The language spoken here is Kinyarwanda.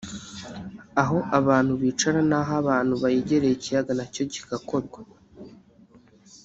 aho abantu bicara n’aho abantu begereye ikiyaga nacyo kigakorwa